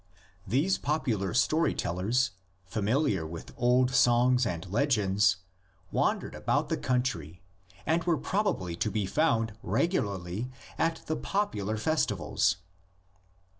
These popular story tellers, familiar with old songs and legends, wandered about the country, and were probably to be found regularly at the popular festivals.